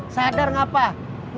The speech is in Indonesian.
sadar gak pak